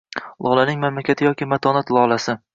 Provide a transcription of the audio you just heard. Lolaning mamlakati yoki matonat lolasi